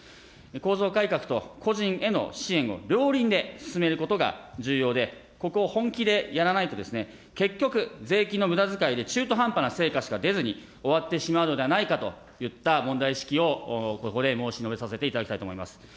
構造改革と個人への支援を両輪で進めることが重要で、ここを本気でやらないと、結局、税金のむだづかいで中途半端な成果しか出ずに終わってしまうのではないかといった問題意識をここで申し述べさせていただきたいと思います。